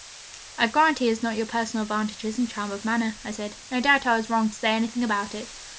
'I grant he has not your personal advantages and charm of manner,' I said. 'No doubt I was wrong to say anything about it.'